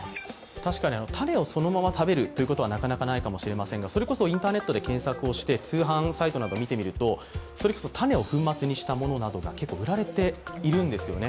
種をそのまま食べるというのはなかなかないと思いますがインターネットで検索をして通販サイトなどを見てみると、種を粉末にしたものなどが結構、売られているんですよね。